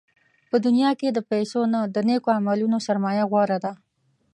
په دنیا کې د پیسو نه، د نېکو عملونو سرمایه غوره ده.